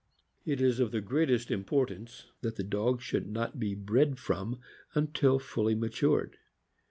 It is of the greatest importance that the dog should not be bred from until fully matured.